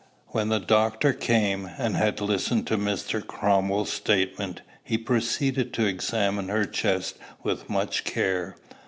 When the doctor came, and had listened to Mr. Cromwell's statement, he proceeded to examine her chest with much care.